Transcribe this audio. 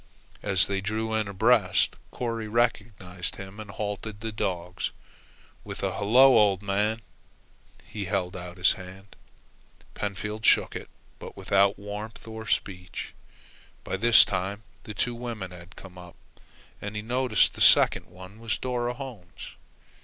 As they drew in abreast, Corry recognized him and halted the dogs. With a "Hello, old man," he held out his hand. Pentfield shook it, but without warmth or speech. By this time the two women had come up, and he noticed that the second one was Dora Holmes.